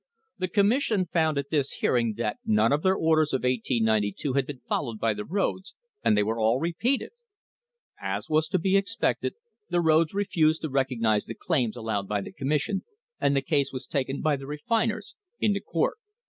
The Commission found at this hearing that none of their orders of 1892 had been followed by the roads and they were all repeated. As was to be expected, the roads refused to recognise the claims allowed by the Commission, and the case was taken by the refiners into court.